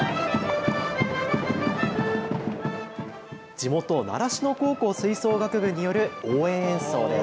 地元、習志野高校吹奏楽部による応援演奏です。